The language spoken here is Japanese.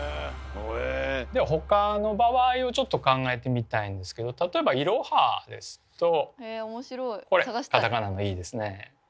では他の場合をちょっと考えてみたいんですけど例えばイロハですとこれカタカナの「イ」ですね。